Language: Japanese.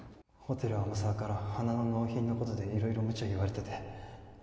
ホテル天沢から花の納品のことで色々無茶言われてて